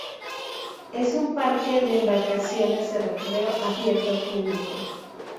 Es un parque de embarcaciones de recreo abierto al público.